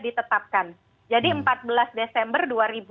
ditetapkan jadi empat belas desember